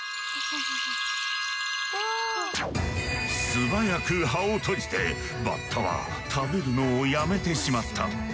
素早く葉を閉じてバッタは食べるのをやめてしまった。